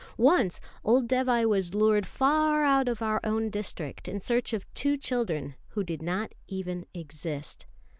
Once old Dévai was lured far out of our own district in search of two children who did not even exist.